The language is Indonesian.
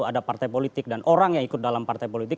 ada partai politik dan orang yang ikut dalam partai politik